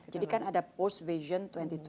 jadi kan ada post vision dua ribu dua puluh lima